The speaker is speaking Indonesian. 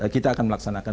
kita akan melaksanakan